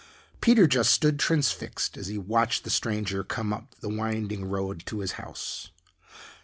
Peter just stood transfixed as he watched the stranger come up the winding road to his house.